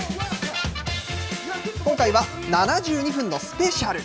今回は７２分のスペシャル。